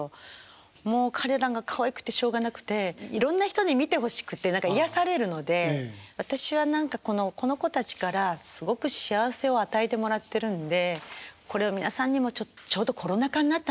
もう彼らがかわいくてしょうがなくていろんな人に見てほしくて癒やされるので私は何かこの子たちからすごく幸せを与えてもらってるんでこれを皆さんにもちょうどコロナ禍になったんですね